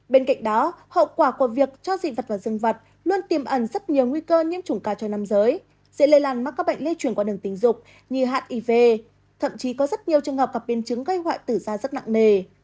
bên cạnh đó hậu quả của việc cho dị vật vào dương vật luôn tiềm ẩn rất nhiều nguy cơ nhiễm trùng cao cho năm giới dễ lây làn mắc các bệnh lê chuyển qua đường tình dục như hạn iv thậm chí có rất nhiều trường hợp gặp biên chứng gây hoại tử da rất nặng nề